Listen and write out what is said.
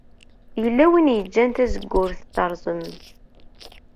Yella win yeǧǧan tazewwut terẓem.